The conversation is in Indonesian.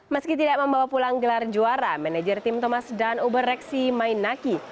meski tidak membawa pulang gelar juara manajer tim thomas dan uber reksi mainaki